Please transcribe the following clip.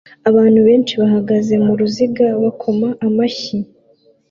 Abantu benshi bahagaze muruziga bakoma amashyi